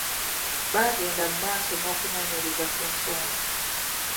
Baagenda mu maaso n'okunoonyereza ku nsonga.